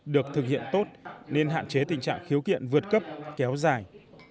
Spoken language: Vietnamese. được thực hiện tốt nên hạn chế tình trạng khiếu kiện vượt cấp kéo dài